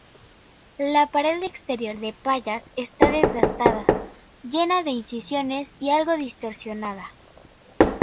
La pared exterior de Pallas está desgastada, llena de incisiones y algo distorsionada.